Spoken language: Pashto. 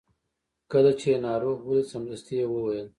کله چې یې ناروغ ولید سمدستي یې وویل.